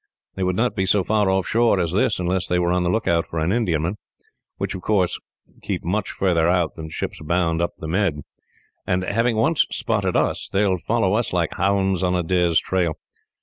They would not be so far offshore as this, unless they were on the lookout for Indiamen, which of course keep much farther out than ships bound up the Mediterranean; and, having once spotted us, they will follow us like hounds on a deer's trail.